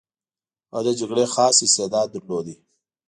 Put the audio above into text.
هغه د جګړې خاص استعداد درلود.